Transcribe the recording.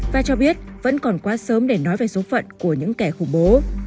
và cho biết vẫn còn quá sớm để nói về số phận của những kẻ khủng bố